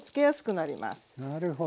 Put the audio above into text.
なるほど。